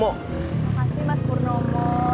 makasih mas purnomo